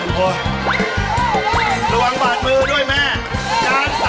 ระวังบาดมือด้วยแม่